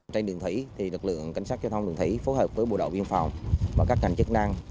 trên đường thủy lực lượng cảnh sát giao thông đường thủy phối hợp với bộ đội biên phòng và các ngành chức năng